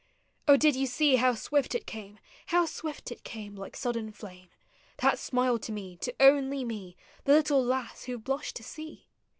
Oh, did you see how swift it came. How swift it came, like sudden flume, That smile to me, to only me. The little lass who blushed to see?